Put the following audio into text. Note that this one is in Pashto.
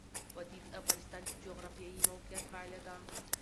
وادي د افغانستان د جغرافیایي موقیعت پایله ده.